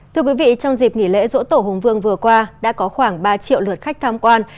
thưa quý vị trong dịp nghỉ lễ dỗ tổ hùng vương vừa qua đã có khoảng ba triệu lượt khách tham quan